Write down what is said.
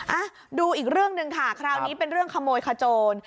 อ่ะดูอีกเรื่องหนึ่งค่ะคราวนี้เป็นเรื่องขโมยขโจร